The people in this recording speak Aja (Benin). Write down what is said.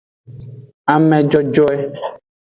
Ame jojoe.